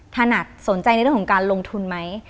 ถนัดสนใจในเรื่องของการลงทุนไหม